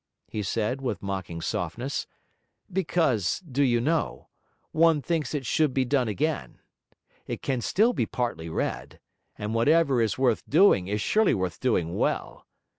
he said, with mocking softness, 'because, do you know? one thinks it should be done again. It can still be partly read; and whatever is worth doing, is surely worth doing well.